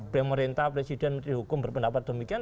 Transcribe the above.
pemerintah presiden menteri hukum berpendapat demikian